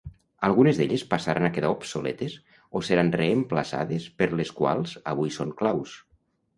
Algunes d'elles passaran a quedar obsoletes o seran reemplaçades per les quals avui són claus.